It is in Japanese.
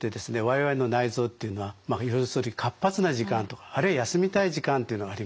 我々の内臓というのはまあ要するに活発な時間とかあるいは休みたい時間というのがありますね。